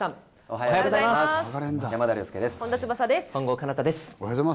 おはようございます。